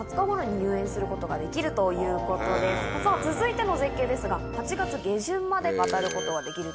さぁ続いての絶景ですが８月下旬まで渡ることができると。